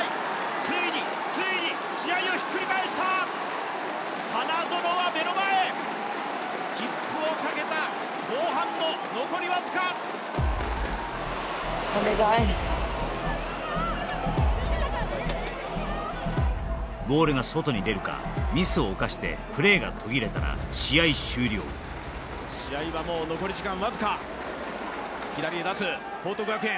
ついについに試合をひっくり返した花園は目の前切符をかけた後半の残りわずかボールが外に出るかミスを犯してプレーが途切れたら試合終了試合はもう残り時間わずか左へ出す報徳学園